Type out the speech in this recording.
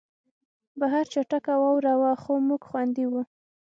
بهر چټکه واوره وه خو موږ خوندي وو